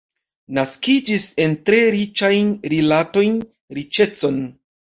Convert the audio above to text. Naskiĝis en tre riĉajn rilatojn, riĉecon.